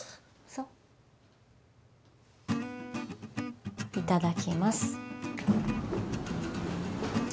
そういただきます